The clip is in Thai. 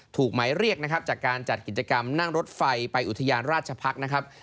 หมายเรียกนะครับจากการจัดกิจกรรมนั่งรถไฟไปอุทยานราชพักษ์นะครับ